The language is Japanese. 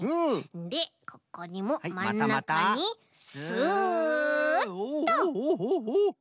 でここにもまんなかにスッと。